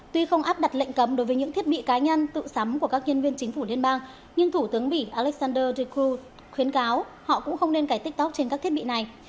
tuy không áp đặt lệnh cấm đối với những thiết bị cá nhân tự sắm của các nhân viên chính phủ liên bang nhưng thủ tướng bỉ alexander dekru khuyến cáo họ cũng không nên cái tiktok trên các thiết bị này